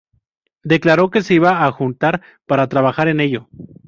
Declaró que se iban a juntar para trabajar en ello.